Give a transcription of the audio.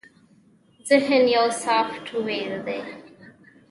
ذهن يو سافټ وئېر دے